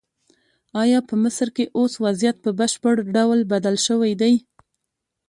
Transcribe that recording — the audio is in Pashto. ایا په مصر کې اوس وضعیت په بشپړ ډول بدل شوی دی؟